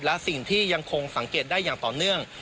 และสิ่งที่ยังคงสังเกตได้อย่างต่อเนื่อง